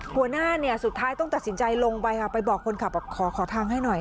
หัวหน้าเนี่ยสุดท้ายต้องตัดสินใจลงไปค่ะไปบอกคนขับบอกขอขอทางให้หน่อย